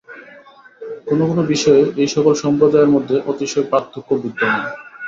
কোন কোন বিষয়ে এই-সকল সম্প্রদায়ের মধ্যে অতিশয় পার্থক্য বিদ্যমান।